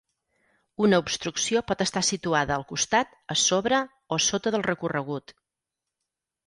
Una obstrucció pot estar situada al costat, a sobre o sota del recorregut.